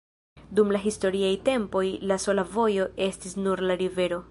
Dum la historiaj tempoj la sola vojo estis nur la rivero.